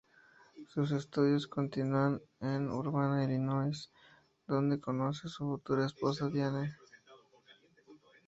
Sus estudios continúan en Urbana, Illinois donde conoce a su futura esposa, Diane.